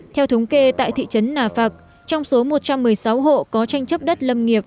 theo thống kê tại thị trấn nà phạc trong số một trăm một mươi sáu hộ có tranh chấp đất lâm nghiệp